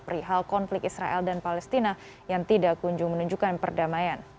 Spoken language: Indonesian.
perihal konflik israel dan palestina yang tidak kunjung menunjukkan perdamaian